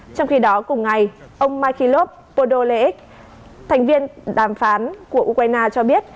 trong khi đó cùng ngày ông mikhailov podolev thành viên đàm phán của ukraine cho biết